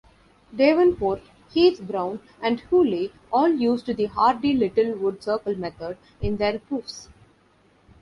Davenport, Heath-Brown and Hooley all used the Hardy-Littlewood circle method in their proofs.